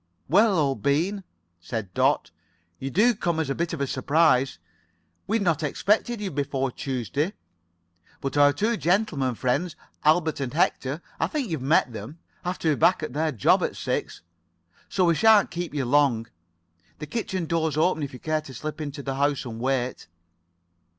"Well, old bean," said Dot. "You do come as a bit of a surprise. We'd not expected you before Tuesday. But our two gentlemen friends—Albert and Hector—I think you've met them—have to be back at their job at six. So we shan't keep you long. The kitchen door's open if you care to slip into the house and wait."